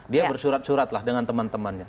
dia bersurat surat lah dengan teman temannya